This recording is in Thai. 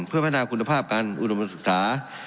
เพื่อพัฒนาคุณภาพการอุดมศึกษา